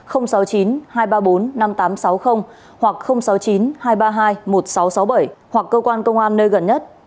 hoặc sáu mươi chín hai trăm ba mươi hai một nghìn sáu trăm sáu mươi bảy hoặc cơ quan công an nơi gần nhất